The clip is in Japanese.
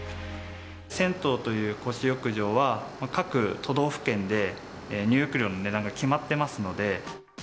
銭湯という公衆浴場は、各都道府県で入浴料の値段が決まってますので。